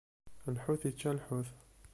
Lḥut ičča lḥut.